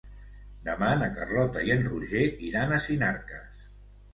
Demà na Carlota i en Roger iran a Sinarques.